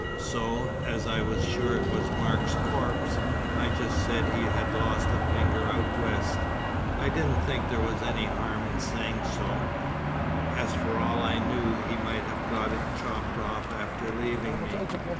So, as I was sure it was Mark's corpse, I just said he had lost a finger out West. I didn't think there was any harm in saying so, as for all I knew he might have got it chopped off after leaving me.